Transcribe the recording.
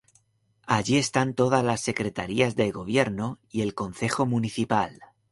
Allí están todas las secretarías de gobierno y el concejo municipal.